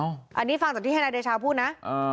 อันนี้ฟังจากที่ให้นายเดชาพูดนะ